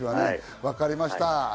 分かりました。